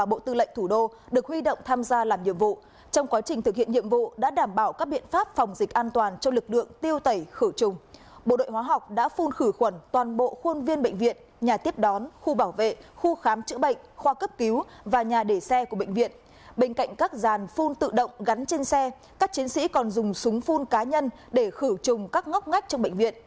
bộ tư lệnh thủ đô đã tiến hành phun khử khuẩn tại bệnh viện này sau khi tại đây đã ghi nhận một mươi ca dương tính với sars cov hai